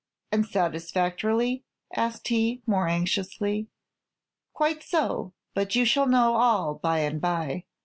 "And satisfactorily?" asked he, more anxiously. "Quite so; but you shall know all by and by.